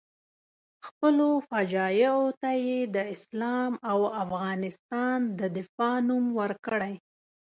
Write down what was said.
خپلو فجایعو ته یې د اسلام او افغانستان د دفاع نوم ورکړی.